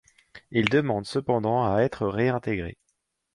Il demande cependant à être réintégré.